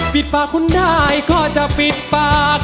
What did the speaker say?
ปิดปากคุณได้ก็จะปิดปาก